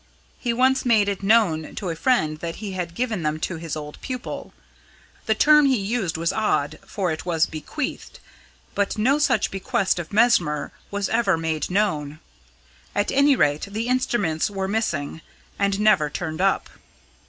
He once made it known to a friend that he had given them to his old pupil. The term he used was odd, for it was 'bequeathed,' but no such bequest of Mesmer was ever made known. At any rate the instruments were missing, and never turned up."